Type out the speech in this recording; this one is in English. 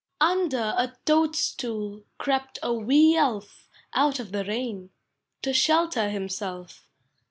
Unuek a toadstool Crept a wee Elf, Out of the rain. To shelter himself.